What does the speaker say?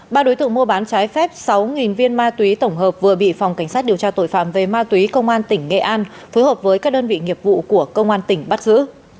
ba đối tượng mua bán trái phép sáu viên ma túy tổng hợp vừa bị phòng cảnh sát điều tra tội phạm về ma túy công an tỉnh nghệ an phối hợp với các đơn vị nghiệp vụ của công an tỉnh bắt giữ